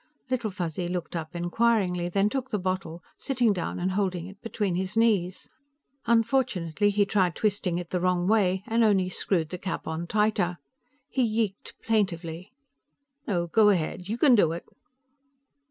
Little Fuzzy looked up inquiringly, then took the bottle, sitting down and holding it between his knees. Unfortunately, he tried twisting it the wrong way and only screwed the cap on tighter. He yeeked plaintively. "No, go ahead. You can do it."